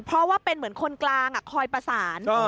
เพราะว่าเป็นเหมือนคนกลางคอยประสาน